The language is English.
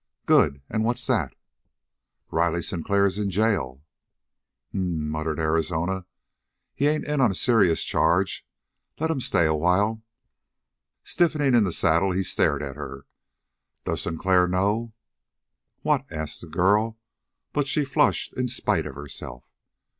"Good! And what's that?" "Riley Sinclair is in jail." "H'm," muttered Arizona. "He ain't in on a serious charge. Let him stay a while." Stiffening in the saddle he stared at her. "Does Sinclair know?" "What?" asked the girl, but she flushed in spite of herself.